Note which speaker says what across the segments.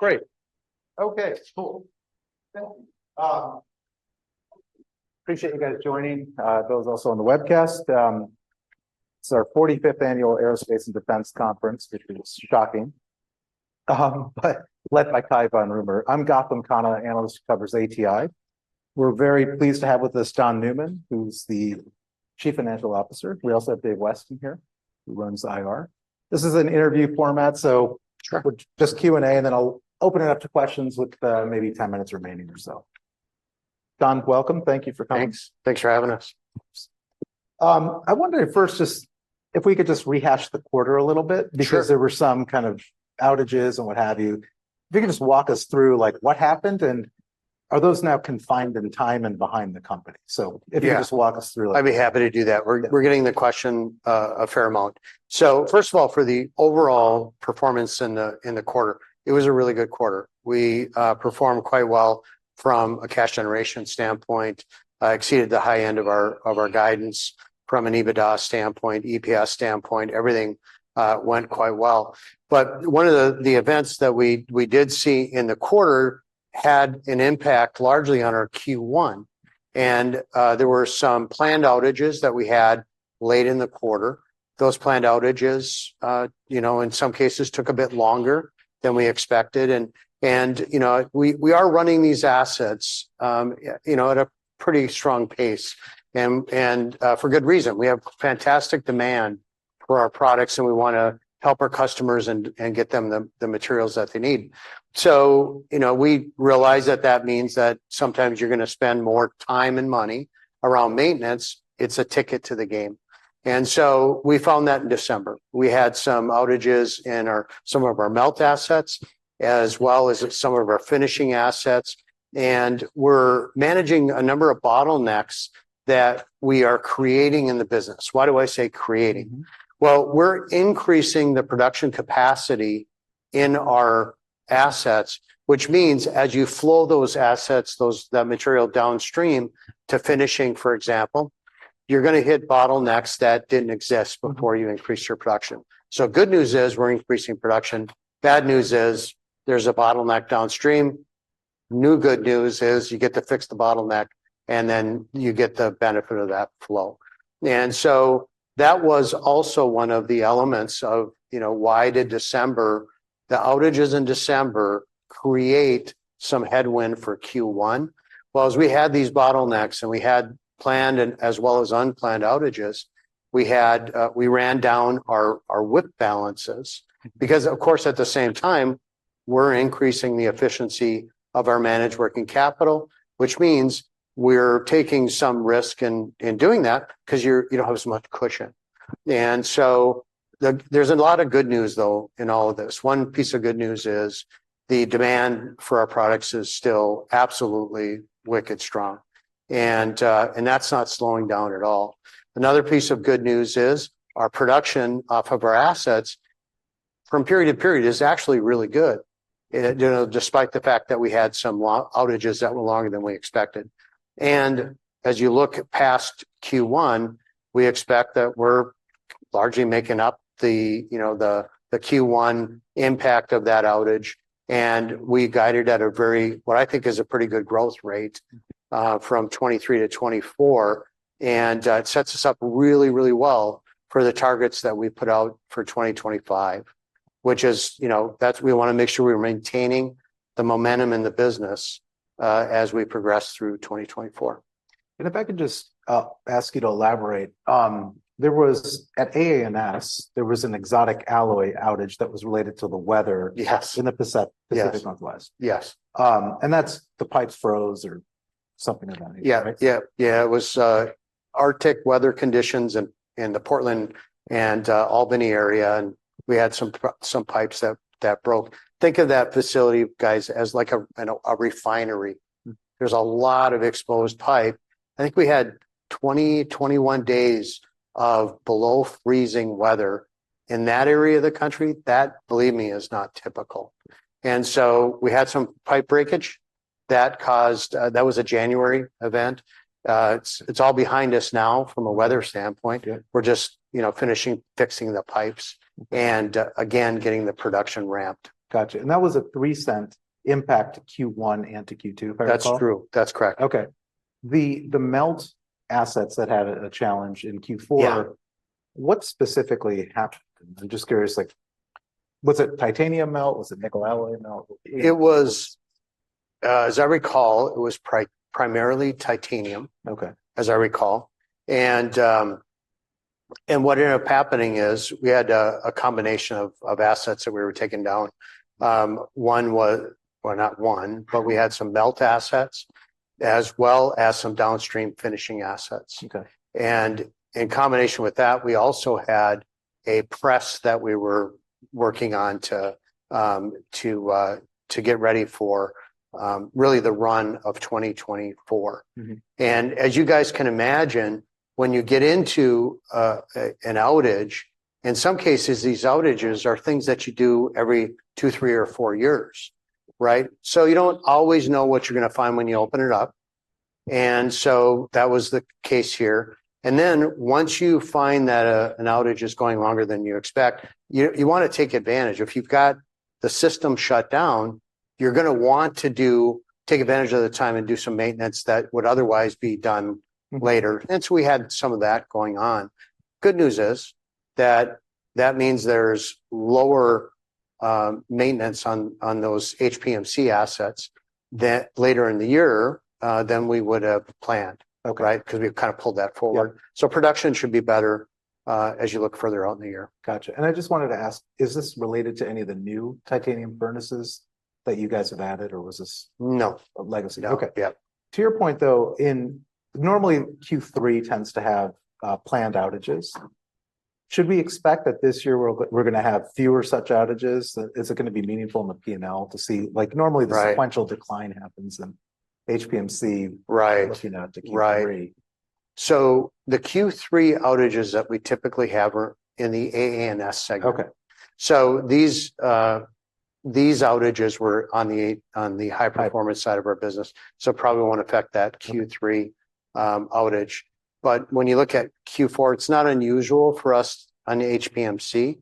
Speaker 1: Great. Okay, cool. Thank you. Appreciate you guys joining, those also on the webcast. It's our 45th annual Aerospace and Defense Conference, which is shocking. But let me introduce him. I'm Gautam Khanna, analyst who covers ATI. We're very pleased to have with us Don Newman, who's the Chief Financial Officer. We also have David Weston here, who runs IR. This is an interview format, so we're just Q&A, and then I'll open it up to questions with, maybe 10 minutes remaining or so. Don, welcome. Thank you for coming.
Speaker 2: Thanks. Thanks for having us.
Speaker 1: I wondered first just if we could just rehash the quarter a little bit because there were some kind of outages and what have you. If you could just walk us through, like, what happened, and are those now confined in time and behind the company? So if you could just walk us through, like.
Speaker 2: Yeah. I'd be happy to do that. We're getting the question a fair amount. So first of all, for the overall performance in the quarter, it was a really good quarter. We performed quite well from a cash generation standpoint, exceeded the high end of our guidance. From an EBITDA standpoint, EPS standpoint, everything went quite well. But one of the events that we did see in the quarter had an impact largely on our Q1. There were some planned outages that we had late in the quarter. Those planned outages, you know, in some cases took a bit longer than we expected. You know, we are running these assets, you know, at a pretty strong pace. And for good reason. We have fantastic demand for our products, and we wanna help our customers and get them the materials that they need. So, you know, we realize that that means that sometimes you're gonna spend more time and money around maintenance. It's a ticket to the game. So we found that in December. We had some outages in some of our Melt assets, as well as some of our finishing assets. We're managing a number of bottlenecks that we are creating in the business. Why do I say creating? Well, we're increasing the production capacity in our assets, which means as you flow those assets, that material downstream to finishing, for example, you're gonna hit bottlenecks that didn't exist before you increased your production. So good news is we're increasing production. Bad news is there's a bottleneck downstream. New good news is you get to fix the bottleneck, and then you get the benefit of that flow. So that was also one of the elements of, you know, why did December, the outages in December create some headwind for Q1? Well, as we had these bottlenecks and we had planned and as well as unplanned outages, we ran down our WIP balances because, of course, at the same time, we're increasing the efficiency of our managed working capital, which means we're taking some risk in doing that because you don't have as much cushion. And so there's a lot of good news, though, in all of this. One piece of good news is the demand for our products is still absolutely wicked strong. And that's not slowing down at all. Another piece of good news is our production off of our assets from period to period is actually really good, you know, despite the fact that we had some outages that were longer than we expected. As you look past Q1, we expect that we're largely making up the, you know, the Q1 impact of that outage. We guided at a very, what I think is a pretty good growth rate from 2023 to 2024. It sets us up really, really well for the targets that we put out for 2025, which is, you know, that's we wanna make sure we're maintaining the momentum in the business as we progress through 2024.
Speaker 1: If I can just ask you to elaborate, there was an exotic alloy outage at AA&S that was related to the weather in the Pacific Northwest.
Speaker 2: Yes.
Speaker 1: That's the pipes froze or something of that nature, right?
Speaker 2: Yeah. Yeah. Yeah. It was Arctic weather conditions in the Portland and Albany area. We had some pipes that broke. Think of that facility, guys, as like a refinery. There's a lot of exposed pipe. I think we had 20, 21 days of below-freezing weather in that area of the country. That, believe me, is not typical. So we had some pipe breakage that caused. That was a January event. It's all behind us now from a weather standpoint. We're just, you know, finishing fixing the pipes and, again, getting the production ramped.
Speaker 1: Gotcha. That was a $0.03 impact to Q1 and to Q2, if I recall?
Speaker 2: That's true. That's correct.
Speaker 1: Okay. The melt assets that had a challenge in Q4, what specifically happened? I'm just curious, like, was it titanium melt? Was it nickel alloy melt?
Speaker 2: It was, as I recall, it was primarily titanium, as I recall. What ended up happening is we had a combination of assets that we were taking down. One was, well, not one, but we had some melt assets as well as some downstream finishing assets. In combination with that, we also had a press that we were working on to get ready for really the run of 2024. As you guys can imagine, when you get into an outage, in some cases, these outages are things that you do every two, three, or four years, right? So you don't always know what you're gonna find when you open it up. That was the case here. Once you find that an outage is going longer than you expect, you wanna take advantage. If you've got the system shut down, you're gonna want to take advantage of the time and do some maintenance that would otherwise be done later. And so we had some of that going on. Good news is that that means there's lower maintenance on those HPMC assets later in the year than we would have planned, right? Because we've kind of pulled that forward. So production should be better as you look further out in the year.
Speaker 1: Gotcha. I just wanted to ask, is this related to any of the new titanium furnaces that you guys have added, or was this a legacy?
Speaker 2: No.
Speaker 1: Okay. To your point, though, normally Q3 tends to have planned outages. Should we expect that this year we're gonna have fewer such outages? Is it gonna be meaningful in the P&L to see, like, normally the sequential decline happens and HPMC is looking out to Q3?
Speaker 2: Right. So the Q3 outages that we typically have are in the AAMS segment. So these outages were on the high-performance side of our business, so probably won't affect that Q3 outage. But when you look at Q4, it's not unusual for us on the HPMC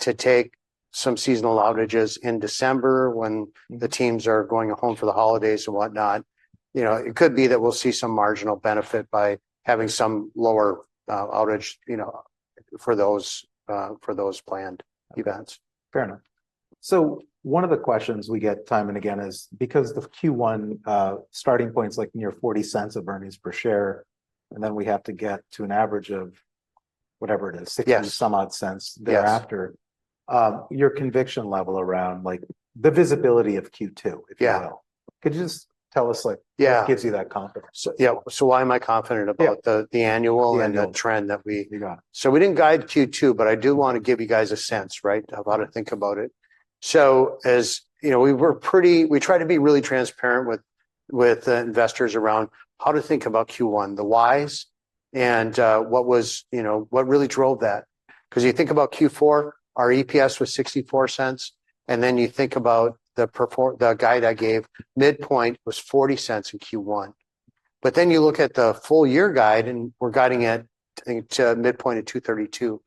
Speaker 2: to take some seasonal outages in December when the teams are going home for the holidays and whatnot. You know, it could be that we'll see some marginal benefit by having some lower outage, you know, for those planned events.
Speaker 1: Fair enough. So one of the questions we get time and again is because the Q1 starting point's like near $0.40 of earnings per share, and then we have to get to an average of whatever it is, $0.60-some-odd cents thereafter, your conviction level around, like, the visibility of Q2, if you will. Could you just tell us, like, what gives you that confidence?
Speaker 2: Yeah. So why am I confident about the annual and the trend that we? So we didn't guide Q2, but I do wanna give you guys a sense, right, of how to think about it. So as, you know, we tried to be really transparent with investors around how to think about Q1, the whys, and what was, you know, what really drove that. Because you think about Q4, our EPS was $0.64. And then you think about the guide I gave, midpoint was $0.40 in Q1. But then you look at the full year guide, and we're guiding it to midpoint at $2.32.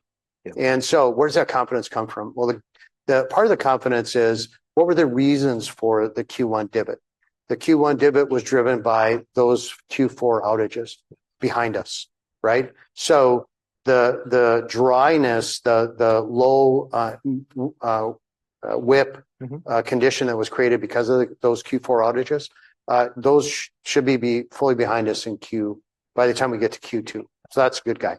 Speaker 2: And so where does that confidence come from? Well, part of the confidence is what were the reasons for the Q1 dividend? The Q1 dividend was driven by those Q4 outages behind us, right? So the dryness, the low WIP condition that was created because of those Q4 outages, those should be fully behind us by the time we get to Q2. So that's a good guide.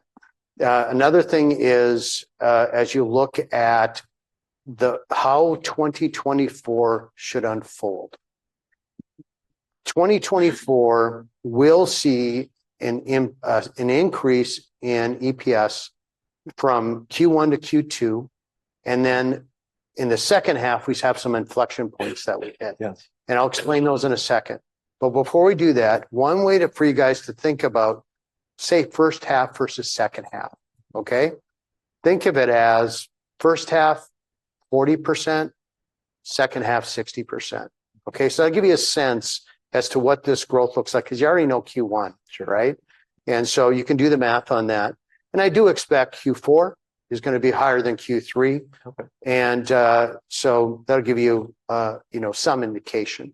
Speaker 2: Another thing is, as you look at how 2024 should unfold, 2024 will see an increase in EPS from Q1 to Q2. And then in the second half, we have some inflection points that we hit. And I'll explain those in a second. But before we do that, one way to free you guys to think about, say, first half versus second half, okay? Think of it as first half 40%, second half 60%. Okay? So that'll give you a sense as to what this growth looks like because you already know Q1, right? And so you can do the math on that. And I do expect Q4 is gonna be higher than Q3. So that'll give you, you know, some indication.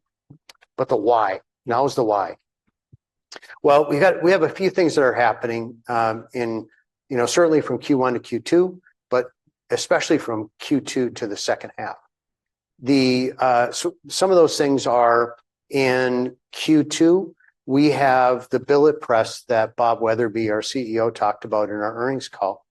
Speaker 2: But the why? Now is the why. Well, we have a few things that are happening in, you know, certainly from Q1 to Q2, but especially from Q2 to the second half. Some of those things are in Q2. We have the billet press that Bob Wetherbee, our CEO, talked about in our earnings call.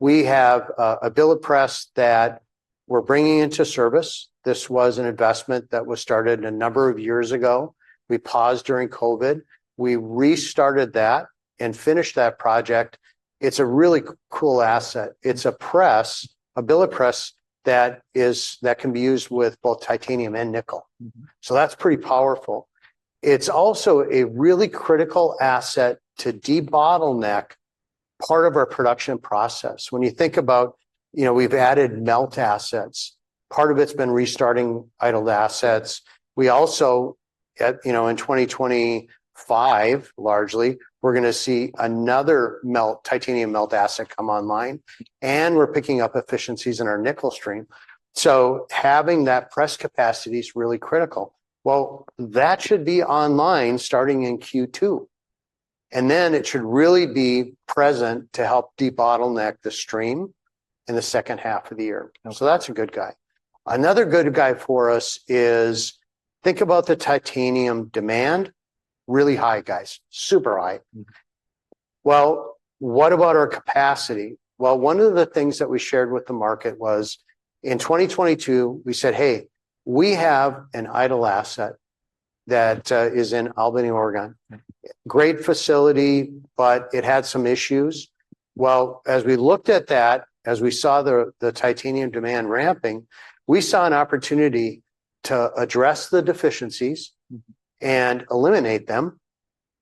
Speaker 2: We have a billet press that we're bringing into service. This was an investment that was started a number of years ago. We paused during COVID. We restarted that and finished that project. It's a really cool asset. It's a press, a billet press that can be used with both titanium and nickel. So that's pretty powerful. It's also a really critical asset to debottleneck part of our production process. When you think about, you know, we've added melt assets. Part of it’s been restarting idled assets. We also, you know, in 2025, largely, we’re gonna see another titanium melt asset come online, and we’re picking up efficiencies in our nickel stream. So having that press capacity is really critical. Well, that should be online starting in Q2. And then it should really be present to help debottleneck the stream in the second half of the year. So that’s a good guide. Another good guide for us is think about the titanium demand. Really high, guys. Super high. Well, what about our capacity? Well, one of the things that we shared with the market was in 2022, we said, “Hey, we have an idle asset that is in Albany, Oregon.” Great facility, but it had some issues." Well, as we looked at that, as we saw the titanium demand ramping, we saw an opportunity to address the deficiencies and eliminate them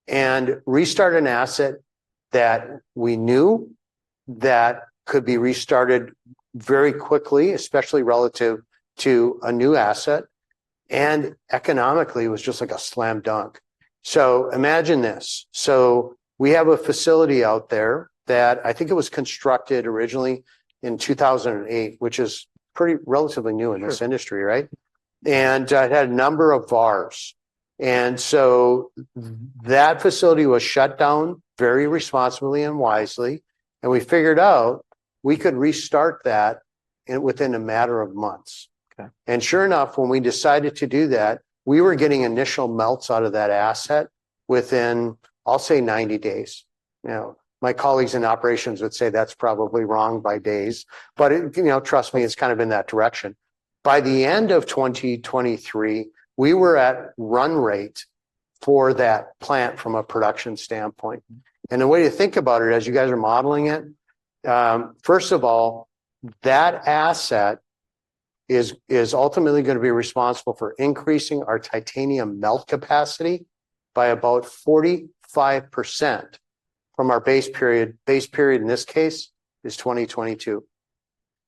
Speaker 2: and restart an asset that we knew that could be restarted very quickly, especially relative to a new asset, and economically was just like a slam dunk. So imagine this. So we have a facility out there that I think it was constructed originally in 2008, which is pretty relatively new in this industry, right? And it had a number of bars. And so that facility was shut down very responsibly and wisely. And we figured out we could restart that within a matter of months. And sure enough, when we decided to do that, we were getting initial melts out of that asset within, I'll say, 90 days. Now, my colleagues in operations would say that's probably wrong by days, but, you know, trust me, it's kind of in that direction. By the end of 2023, we were at run rate for that plant from a production standpoint. The way to think about it, as you guys are modeling it, first of all, that asset is ultimately gonna be responsible for increasing our titanium melt capacity by about 45% from our base period. Base period in this case is 2022.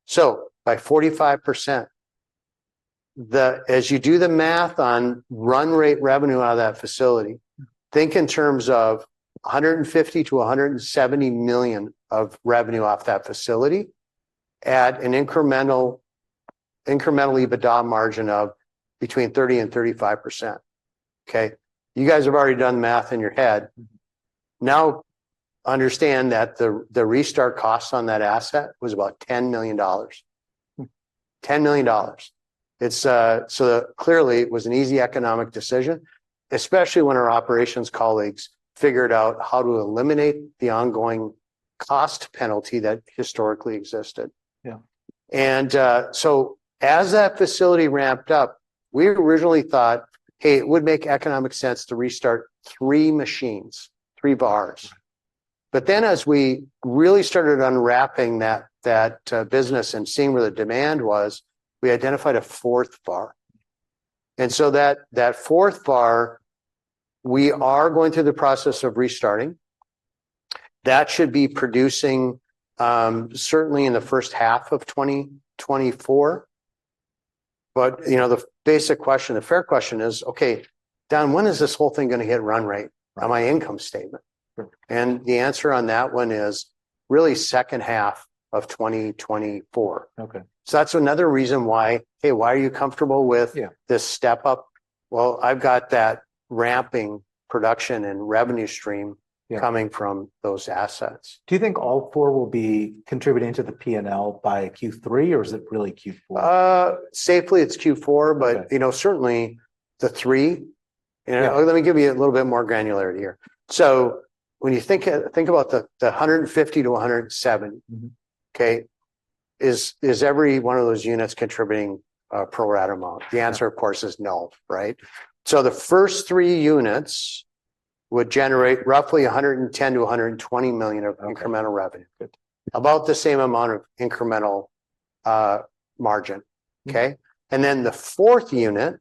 Speaker 2: So by 45%, as you do the math on run rate revenue out of that facility, think in terms of $150-$170 million of revenue off that facility at an incremental EBITDA margin of between 30%-35%. Okay? You guys have already done the math in your head. Now understand that the restart cost on that asset was about $10 million. $10 million. So clearly, it was an easy economic decision, especially when our operations colleagues figured out how to eliminate the ongoing cost penalty that historically existed. Yeah. And so as that facility ramped up, we originally thought, "Hey, it would make economic sense to restart 3 machines, 3 bars." But then as we really started unwrapping that business and seeing where the demand was, we identified a fourth bar. And so that fourth bar, we are going through the process of restarting. That should be producing certainly in the first half of 2024. But, you know, the basic question, the fair question is, "Okay, Don, when is this whole thing gonna hit run rate on my income statement?" And the answer on that one is really second half of 2024. So that's another reason why, hey, why are you comfortable with this step-up? Well, I've got that ramping production and revenue stream coming from those assets.
Speaker 1: Do you think all four will be contributing to the P&L by Q3, or is it really Q4?
Speaker 2: So, it's Q4, but, you know, certainly the three. Let me give you a little bit more granularity here. So when you think about the 150-170, okay, is every one of those units contributing pro rata amount? The answer, of course, is no, right? So the first three units would generate roughly $110 million-$120 million of incremental revenue, about the same amount of incremental margin. Okay? And then the fourth unit,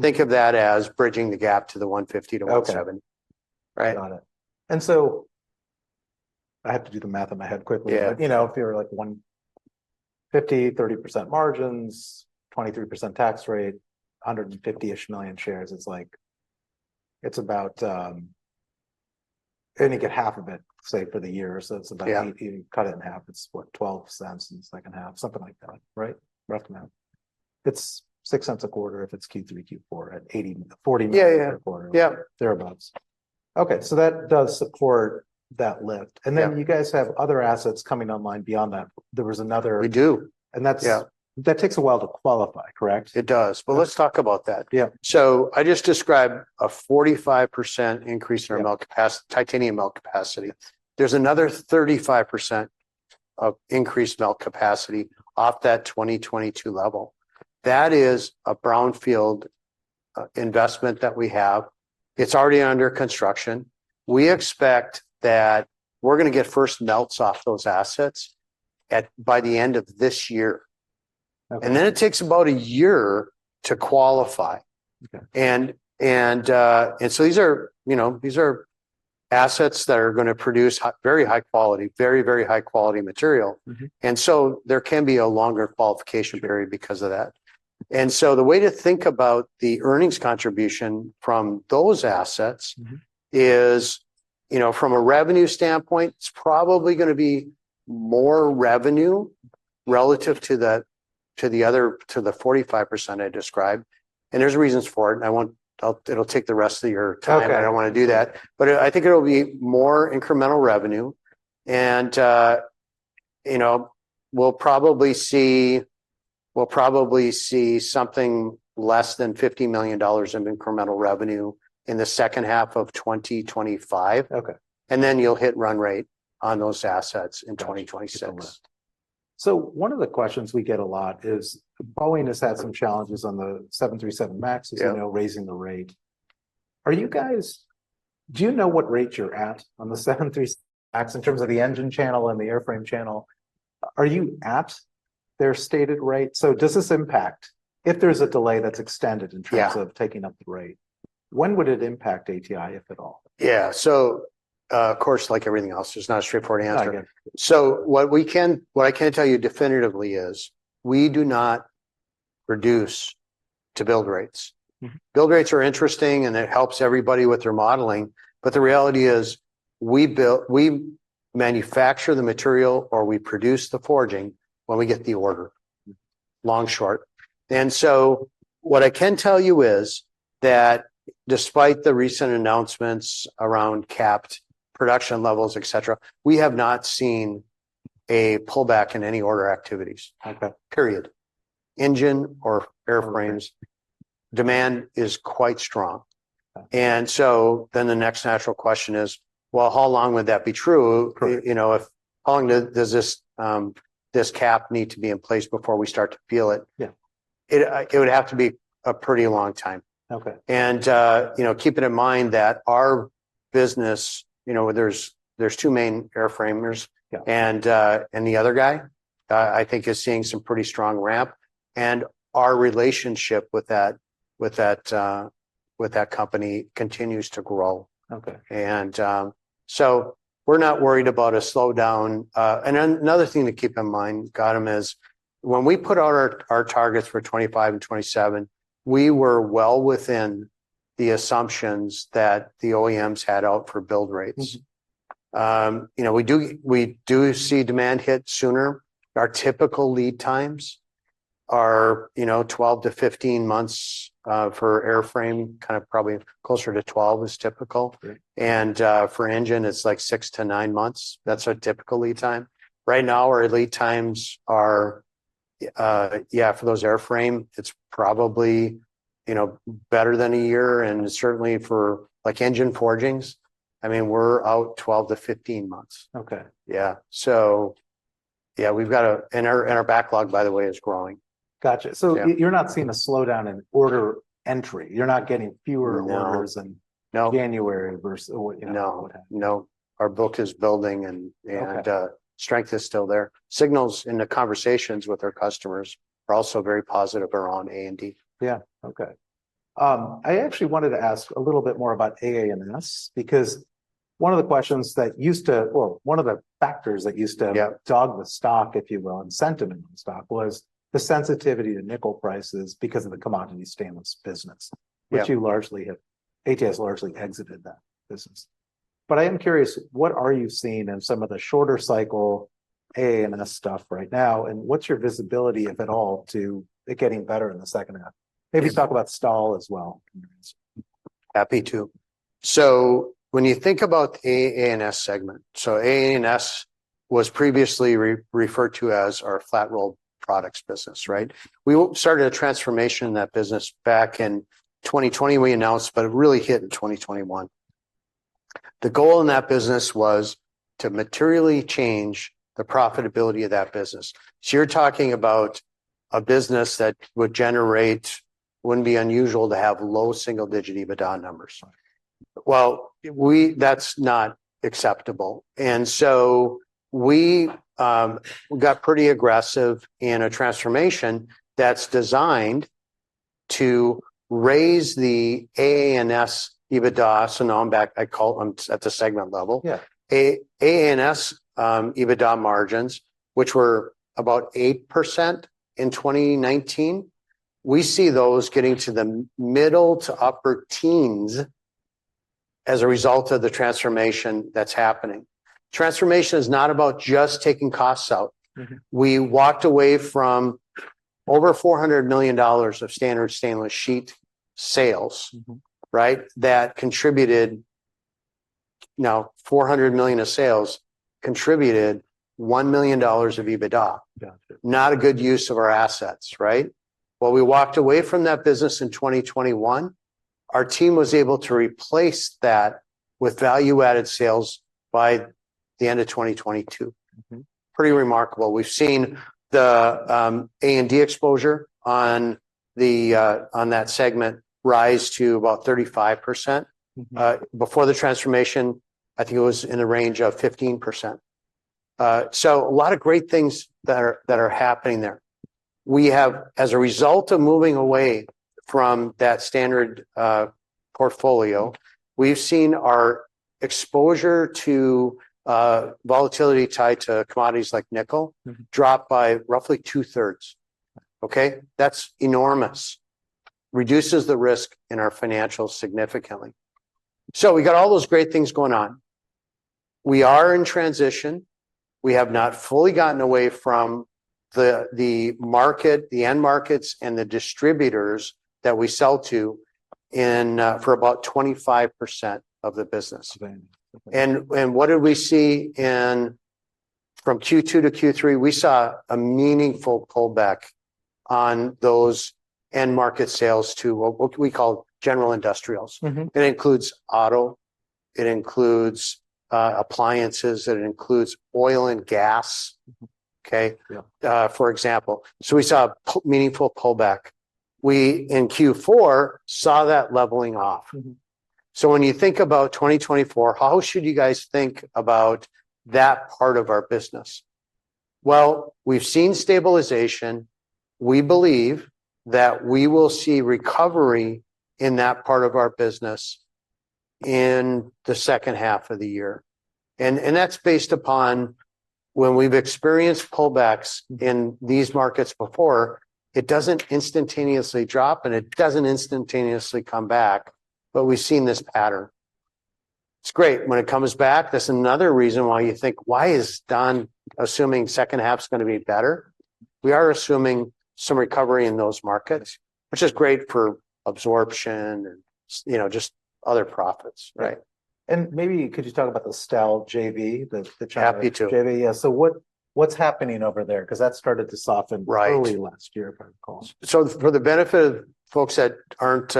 Speaker 2: think of that as bridging the gap to the 150-170, right?
Speaker 1: Got it. So I have to do the math in my head quickly, but, you know, if you're like 150, 30% margins, 23% tax rate, 150-ish million shares, it's like it's about, and you get half of it, say, for the year. So it's about, you cut it in half. It's, what, $0.12 in the second half, something like that, right? Rough amount. It's $0.06 a quarter if it's Q3, Q4, at $40 million a quarter, thereabouts. Okay. So that does support that lift. And then you guys have other assets coming online beyond that. There was another.
Speaker 2: We do.
Speaker 1: That takes a while to qualify, correct?
Speaker 2: It does. But let's talk about that. Yeah. So I just described a 45% increase in our titanium melt capacity. There's another 35% of increased melt capacity off that 2022 level. That is a brownfield investment that we have. It's already under construction. We expect that we're gonna get first melts off those assets by the end of this year. And then it takes about a year to qualify. And so these are, you know, these are assets that are gonna produce very high quality, very, very high quality material. And so there can be a longer qualification period because of that. And so the way to think about the earnings contribution from those assets is, you know, from a revenue standpoint, it's probably gonna be more revenue relative to the other 45% I described. And there's reasons for it. And I won't, it'll take the rest of your time. I don't wanna do that. I think it'll be more incremental revenue. You know, we'll probably see something less than $50 million in incremental revenue in the second half of 2025. Then you'll hit run rate on those assets in 2026.
Speaker 1: So one of the questions we get a lot is Boeing has had some challenges on the 737 MAX, as you know, raising the rate. Are you guys, do you know what rate you're at on the 737 MAX in terms of the engine channel and the airframe channel? Are you at their stated rate? So does this impact, if there's a delay that's extended in terms of taking up the rate, when would it impact ATI, if at all?
Speaker 2: Yeah. So of course, like everything else, there's not a straightforward answer. So what we can, what I can tell you definitively is we do not reduce to build rates. Build rates are interesting, and it helps everybody with their modeling. But the reality is we manufacture the material or we produce the forging when we get the order, long short. And so what I can tell you is that despite the recent announcements around capped production levels, et cetera, we have not seen a pullback in any order activities, period. Engine or airframes demand is quite strong. And so then the next natural question is, well, how long would that be true? You know, if how long does this cap need to be in place before we start to feel it? Yeah, it would have to be a pretty long time. You know, keeping in mind that our business, you know, there's two main airframers. The other guy, I think, is seeing some pretty strong ramp. Our relationship with that company continues to grow. So we're not worried about a slowdown. Another thing to keep in mind, Gautam, is when we put out our targets for 2025 and 2027, we were well within the assumptions that the OEMs had out for build rates. You know, we do see demand hit sooner. Our typical lead times are, you know, 12-15 months for airframe, kind of probably closer to 12 is typical. For engine, it's like six to nine months. That's our typical lead time. Right now, our lead times are, yeah, for those airframe, it's probably, you know, better than a year. Certainly for like engine forgings, I mean, we're out 12-15 months. Okay, yeah. So yeah, we've got a, and our backlog, by the way, is growing.
Speaker 1: Gotcha. So you're not seeing a slowdown in order entry? You're not getting fewer orders in January versus what happened?
Speaker 2: No. No. Our book is building, and strength is still there. Signals in the conversations with our customers are also very positive around A&D.
Speaker 1: Yeah. Okay. I actually wanted to ask a little bit more about AAMS because one of the questions that used to, well, one of the factors that used to dog the stock, if you will, and sentiment on stock was the sensitivity to nickel prices because of the commodity stainless business, which you largely have, ATI has largely exited that business. But I am curious, what are you seeing in some of the shorter cycle AAMS stuff right now? And what's your visibility, if at all, to it getting better in the second half? Maybe talk about STAL as well.
Speaker 2: Happy to. So when you think about the AAMS segment, so AAMS was previously referred to as our flat-rolled products business, right? We started a transformation in that business back in 2020, we announced, but it really hit in 2021. The goal in that business was to materially change the profitability of that business. So you're talking about a business that would generate, wouldn't be unusual to have low single-digit EBITDA numbers. Well, that's not acceptable. And so we got pretty aggressive in a transformation that's designed to raise the AAMS EBITDA, so now I'm back, I call it at the segment level, AAMS EBITDA margins, which were about 8% in 2019. We see those getting to the middle to upper teens as a result of the transformation that's happening. Transformation is not about just taking costs out. We walked away from over $400 million of standard stainless sheet sales, right? That contributed, you know, $400 million of sales contributed $1 million of EBITDA. Not a good use of our assets, right? Well, we walked away from that business in 2021. Our team was able to replace that with value-added sales by the end of 2022. Pretty remarkable. We've seen the A&D exposure on that segment rise to about 35%. Before the transformation, I think it was in the range of 15%. So a lot of great things that are happening there. We have, as a result of moving away from that standard portfolio, we've seen our exposure to volatility tied to commodities like nickel drop by roughly two-thirds. Okay? That's enormous. Reduces the risk in our financials significantly. So we got all those great things going on. We are in transition. We have not fully gotten away from the market, the end markets, and the distributors that we sell to for about 25% of the business. And what did we see from Q2 to Q3? We saw a meaningful pullback on those end market sales to what we call general industrials. It includes auto. It includes appliances. It includes oil and gas. Okay? For example. So we saw a meaningful pullback. We in Q4 saw that leveling off. So when you think about 2024, how should you guys think about that part of our business? Well, we've seen stabilization. We believe that we will see recovery in that part of our business in the second half of the year. And that's based upon when we've experienced pullbacks in these markets before. It doesn't instantaneously drop, and it doesn't instantaneously come back. But we've seen this pattern. It's great when it comes back. That's another reason why you think, why is Don assuming second half's gonna be better? We are assuming some recovery in those markets, which is great for absorption and, you know, just other profits, right?
Speaker 1: Maybe could you talk about the STAL JV, the China JV?
Speaker 2: Happy to.
Speaker 1: Yeah. So what's happening over there? 'Cause that started to soften early last year, if I recall.
Speaker 2: So for the benefit of folks that aren't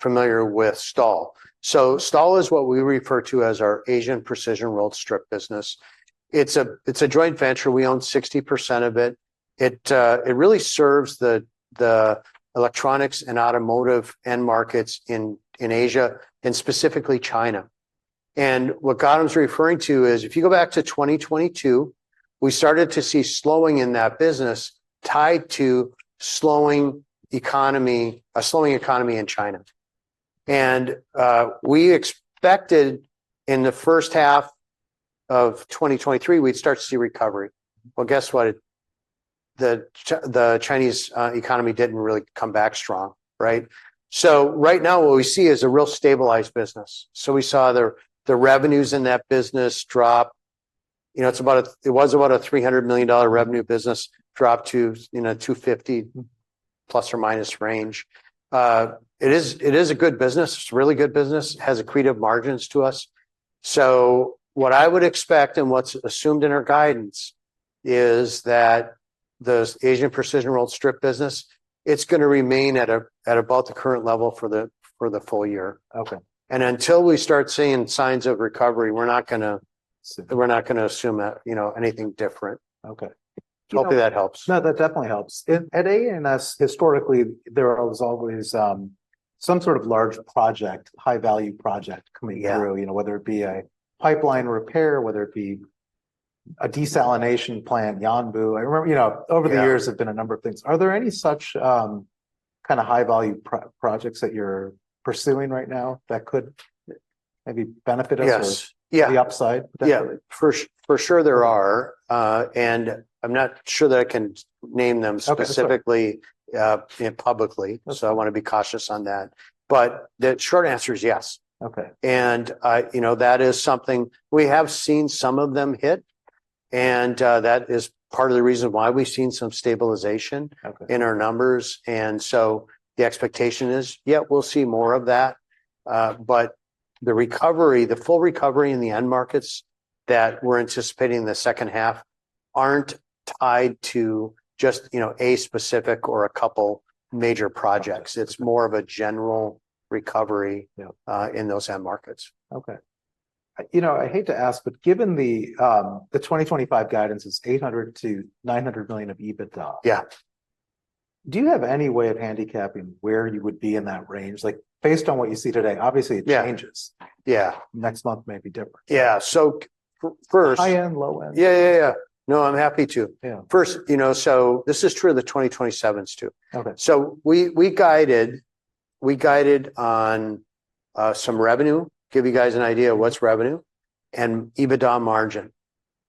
Speaker 2: familiar with STAL, so STAL is what we refer to as our Asian Precision Rolled Strip business. It's a joint venture. We own 60% of it. It really serves the electronics and automotive end markets in Asia and specifically China. And what Gautam's referring to is if you go back to 2022, we started to see slowing in that business tied to slowing economy, a slowing economy in China. And we expected in the first half of 2023, we'd start to see recovery. Well, guess what? The Chinese economy didn't really come back strong, right? So right now what we see is a real stabilized business. So we saw the revenues in that business drop. You know, it's about a, it was about a $300 million revenue business drop to, you know, $250 million plus or minus range. It is a good business. It's a really good business. It has accretive margins to us. So what I would expect and what's assumed in our guidance is that the Asian Precision Rolled Strip business, it's gonna remain at about the current level for the full year. And until we start seeing signs of recovery, we're not gonna, we're not gonna assume that, you know, anything different. Okay? Hopefully that helps.
Speaker 1: No, that definitely helps. At AAMS, historically, there was always some sort of large project, high-value project coming through, you know, whether it be a pipeline repair, whether it be a desalination plant, Yanbu. I remember, you know, over the years there've been a number of things. Are there any such kind of high-value projects that you're pursuing right now that could maybe benefit us or the upside?
Speaker 2: Yeah. For sure there are. And I'm not sure that I can name them specifically and publicly. So I wanna be cautious on that. But the short answer is yes. Okay? And you know, that is something we have seen some of them hit. And that is part of the reason why we've seen some stabilization in our numbers. And so the expectation is, yeah, we'll see more of that. But the recovery, the full recovery in the end markets that we're anticipating in the second half aren't tied to just, you know, a specific or a couple major projects. It's more of a general recovery in those end markets.
Speaker 1: Okay. You know, I hate to ask, but given the 2025 guidance is $800 million-$900 million of EBITDA, do you have any way of handicapping where you would be in that range? Like based on what you see today, obviously it changes. Yeah, next month may be different.
Speaker 2: Yeah. So first.
Speaker 1: High end, low end.
Speaker 2: Yeah, yeah, yeah. No, I'm happy to. First, you know, so this is true of the 2027s too. So we guided on some revenue, give you guys an idea of what's revenue and EBITDA margin.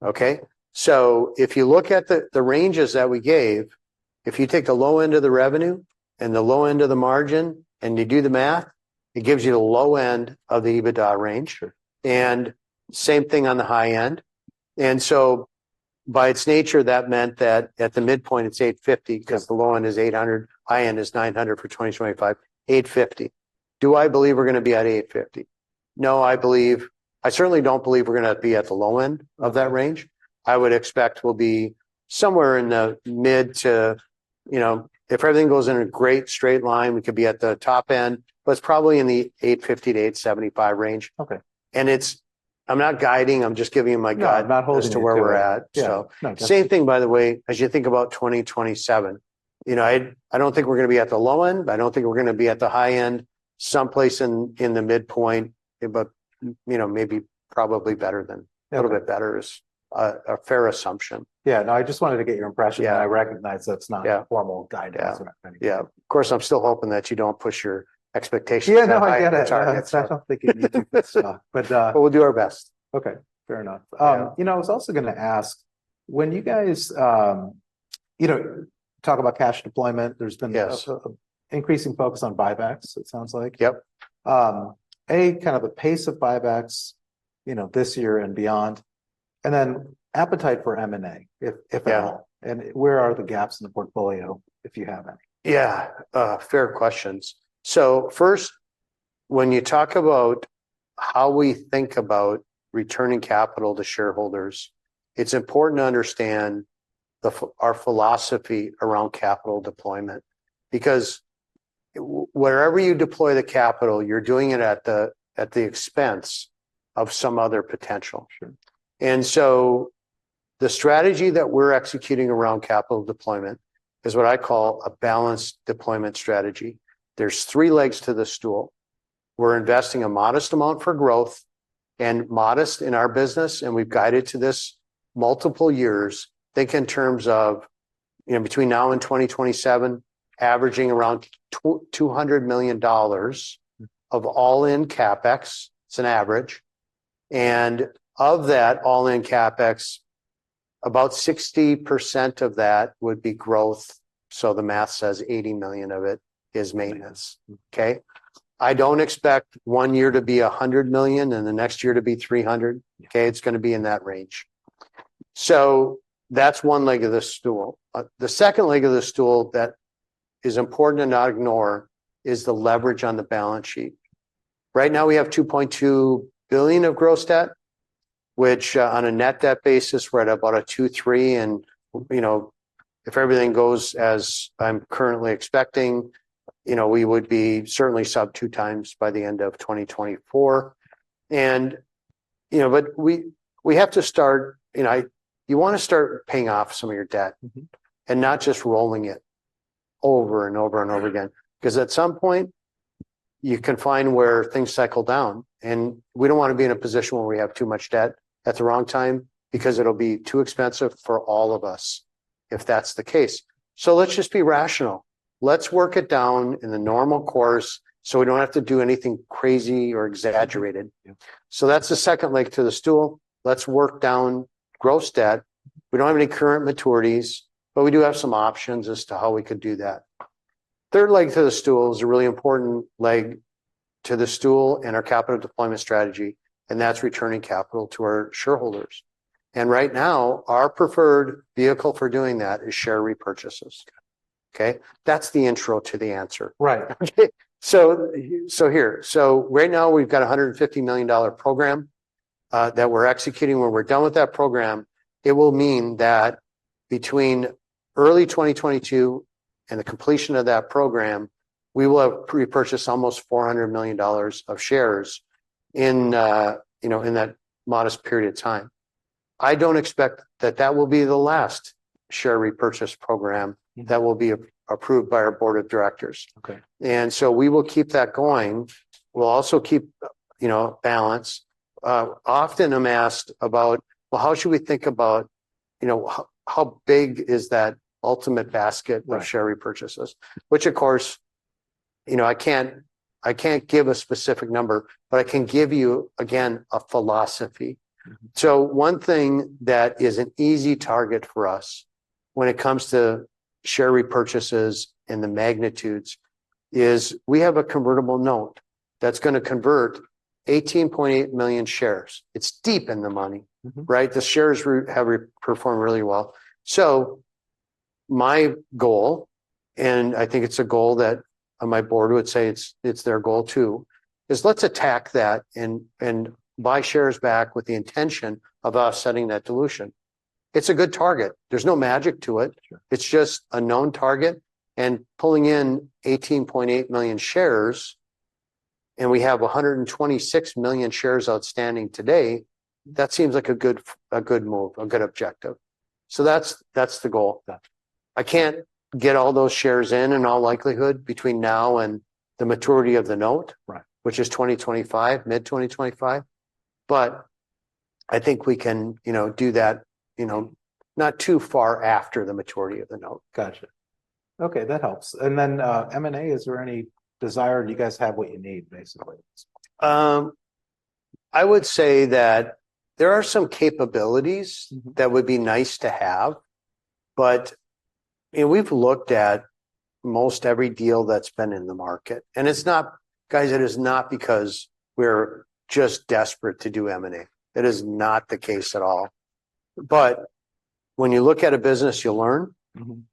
Speaker 2: Okay? So if you look at the ranges that we gave, if you take the low end of the revenue and the low end of the margin and you do the math, it gives you the low end of the EBITDA range. And same thing on the high end. And so by its nature, that meant that at the midpoint, it's $850 'cause the low end is $800, high end is $900 for 2025, $850. Do I believe we're gonna be at $850? No, I believe, I certainly don't believe we're gonna be at the low end of that range. I would expect we'll be somewhere in the mid to, you know, if everything goes in a great straight line, we could be at the top end, but it's probably in the 850-875 range. It's, I'm not guiding, I'm just giving you my guide as to where we're at. Same thing, by the way, as you think about 2027. You know, I don't think we're gonna be at the low end. I don't think we're gonna be at the high end someplace in the midpoint, but you know, maybe probably better than, a little bit better is a fair assumption.
Speaker 1: Yeah. No, I just wanted to get your impression. And I recognize that's not formal guidance.
Speaker 2: Yeah. Of course, I'm still hoping that you don't push your expectations too high.
Speaker 1: Yeah, no, I get it. I don't think you need to, but.
Speaker 2: But we'll do our best.
Speaker 1: Okay. Fair enough. You know, I was also gonna ask, when you guys, you know, talk about cash deployment, there's been an increasing focus on buybacks, it sounds like. A, kind of the pace of buybacks, you know, this year and beyond. And then appetite for M&A, if at all. And where are the gaps in the portfolio, if you have any?
Speaker 2: Yeah. Fair questions. So first, when you talk about how we think about returning capital to shareholders, it's important to understand our philosophy around capital deployment because wherever you deploy the capital, you're doing it at the expense of some other potential. And so the strategy that we're executing around capital deployment is what I call a balanced deployment strategy. There's three legs to the stool. We're investing a modest amount for growth and modest in our business. And we've guided to this multiple years. Think in terms of, you know, between now and 2027, averaging around $200 million of all-in CapEx. It's an average. And of that all-in CapEx, about 60% of that would be growth. So the math says $80 million of it is maintenance. Okay? I don't expect one year to be $100 million and the next year to be $300 million. Okay? It's gonna be in that range. So that's one leg of the stool. The second leg of the stool that is important to not ignore is the leverage on the balance sheet. Right now we have $2.2 billion of gross debt, which on a net debt basis, we're at about 2-3, and you know, if everything goes as I'm currently expecting, you know, we would be certainly sub-2x by the end of 2024. And you know, but we have to start, you know, you wanna start paying off some of your debt and not just rolling it over and over and over again. 'Cause at some point you can find where things cycle down and we don't wanna be in a position where we have too much debt at the wrong time because it'll be too expensive for all of us if that's the case. Let's just be rational. Let's work it down in the normal course so we don't have to do anything crazy or exaggerated. That's the second leg to the stool. Let's work down gross debt. We don't have any current maturities, but we do have some options as to how we could do that. Third leg to the stool is a really important leg to the stool in our capital deployment strategy. That's returning capital to our shareholders. Right now our preferred vehicle for doing that is share repurchases. Okay? That's the intro to the answer.
Speaker 1: Right.
Speaker 2: Okay? So here, so right now we've got a $150 million program that we're executing. When we're done with that program, it will mean that between early 2022 and the completion of that program, we will have repurchased almost $400 million of shares in, you know, in that modest period of time. I don't expect that that will be the last share repurchase program that will be approved by our board of directors. And so we will keep that going. We'll also keep, you know, balance. Often I'm asked about, well, how should we think about, you know, how big is that ultimate basket of share repurchases? Which of course, you know, I can't give a specific number, but I can give you, again, a philosophy. So one thing that is an easy target for us when it comes to share repurchases and the magnitudes is we have a convertible note that's gonna convert 18.8 million shares. It's deep in the money, right? The shares have performed really well. So my goal, and I think it's a goal that my board would say it's their goal too, is let's attack that and buy shares back with the intention of us setting that dilution. It's a good target. There's no magic to it. It's just a known target and pulling in 18.8 million shares and we have 126 million shares outstanding today. That seems like a good move, a good objective. So that's the goal. I can't get all those shares in in all likelihood between now and the maturity of the note, which is 2025, mid-2025. But I think we can, you know, do that, you know, not too far after the maturity of the note.
Speaker 1: Gotcha. Okay. That helps. And then M&A, is there any desire, and you guys have what you need basically?
Speaker 2: I would say that there are some capabilities that would be nice to have, but you know, we've looked at most every deal that's been in the market. And it's not, guys, it is not because we're just desperate to do M&A. It is not the case at all. But when you look at a business, you learn.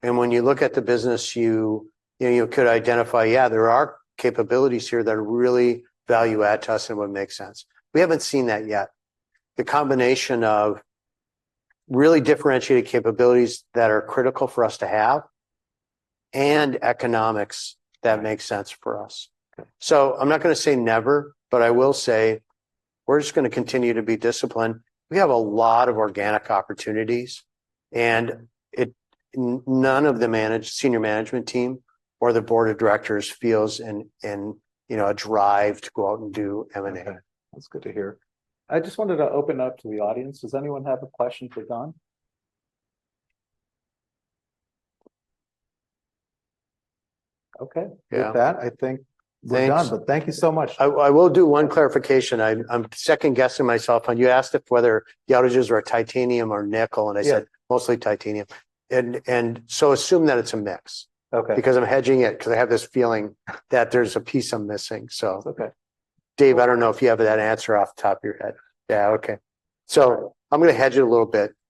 Speaker 2: And when you look at the business, you could identify, yeah, there are capabilities here that are really value add to us and would make sense. We haven't seen that yet. The combination of really differentiated capabilities that are critical for us to have and economics that makes sense for us. So I'm not gonna say never, but I will say we're just gonna continue to be disciplined. We have a lot of organic opportunities and none of the senior management team or the board of directors feels in, you know, a drive to go out and do M&A.
Speaker 1: Okay. That's good to hear. I just wanted to open up to the audience. Does anyone have a question for Don? Okay. With that, I think we're done. But thank you so much.
Speaker 2: I will do one clarification. I'm second guessing myself on, you asked if whether the outages were titanium or nickel, and I said mostly titanium. And so assume that it's a mix because I'm hedging it 'cause I have this feeling that there's a piece I'm missing. So Dave, I don't know if you have that answer off the top of your head. Yeah. Okay. So I'm gonna hedge it a little bit.